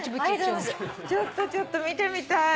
ちょっとちょっと見てみたい。